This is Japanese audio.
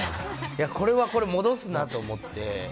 これは、戻すなと思って。